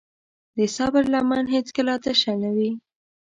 د صبر لمن هیڅکله تشه نه وي.